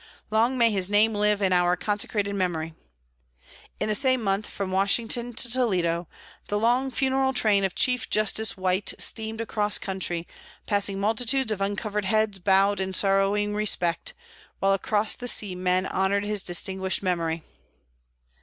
Long may his name live in our consecrated memory. In the same month, from Washington to Toledo, the long funeral train of Chief Justice White steamed across country, passing multitudes of uncovered heads bowed in sorrowing respect, while across the sea men honoured his distinguished memory.